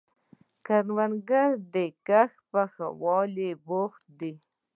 کروندګر د کښت په ښه والي بوخت دی